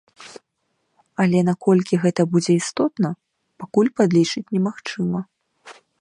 Але наколькі гэта будзе істотна, пакуль падлічыць немагчыма.